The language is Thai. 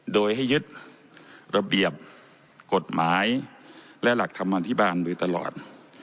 โดยให้ยึดระเบียบกฎหมายและหลักธรรมอธิบาลโดยตลอด